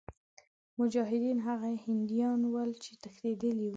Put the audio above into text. مجاهدین هغه هندیان ول چې تښتېدلي وه.